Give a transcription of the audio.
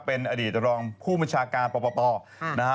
เป็นอดีตรองผู้ประชาการปปนะครับ